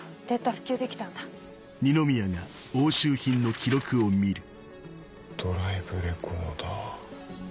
復旧できたんだドライブレコーダー。